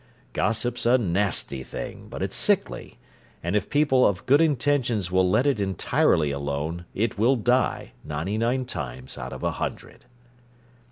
Gossip's a nasty thing, but it's sickly, and if people of good intentions will let it entirely alone, it will die, ninety nine times out of a hundred."